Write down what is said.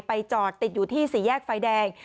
จอดติดอยู่ที่สี่แยกไฟแดง